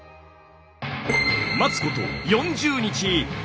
待つこと４０日！